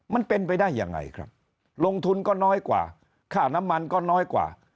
มันเป็นไปได้ยังไงครับลงทุนก็น้อยกว่าค่าน้ำมันก็น้อยกว่า